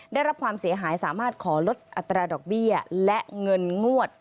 ได้รับความเสียหายสามารถขอลดอัตราดอกเบี้ยและเงินงวด